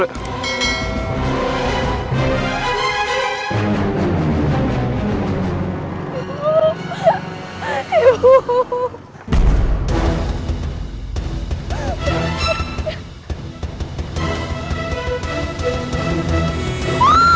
jangan lupa subscribe channel jessi